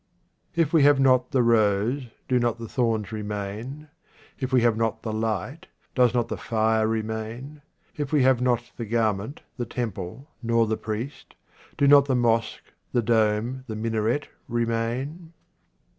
If we have not the rose, do not the thorns remain ': If we have not the light, does not the fire remain ? If we have not the garment, the temple, nor the priest, do not the mosque, the dome, the minaret remain